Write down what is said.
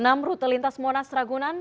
enam rute lintas monas ragunan